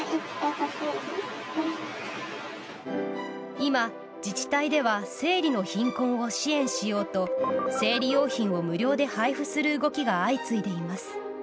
今、自治体では生理の貧困を支援しようと生理用品を無料で配布する動きが相次いでいます。